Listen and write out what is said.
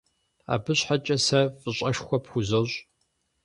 Абы щхьэкӏэ сэ фӏыщӏэшхуэ пхузощ.